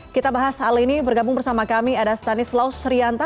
kita bahas hal ini bergabung bersama kami ada stanislaus srianta